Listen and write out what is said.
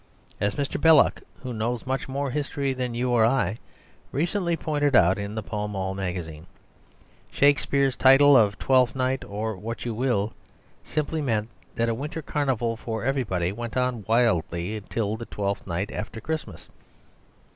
As Mr. Belloc, who knows much more history than you or I, recently pointed out in the "Pall Mall Magazine," Shakespeare's title of "Twelfth Night: or What You Will" simply meant that a winter carnival for everybody went on wildly till the twelfth night after Christmas.